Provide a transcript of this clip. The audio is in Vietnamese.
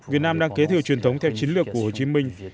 việt nam đang kế thừa truyền thống theo chiến lược của hồ chí minh